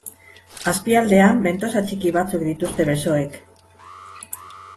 Azpialdean bentosa txiki batzuk dituzte besoek.